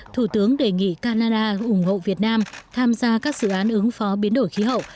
thủ tướng đề nghị canada ủng hộ việt nam tham gia các dự án ứng phó biến đổi khí hậu